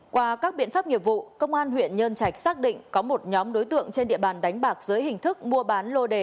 qua các biện pháp nghiệp vụ công an huyện nhân trạch xác định có một nhóm đối tượng trên địa bàn đánh bạc dưới hình thức mua bán lô đề